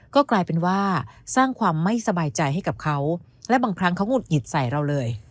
ก็กลายเป็นว่าสร้างความไม่สบายใจให้กับเขาและบางครั้งเขาหุดหงิดใส่เราเลย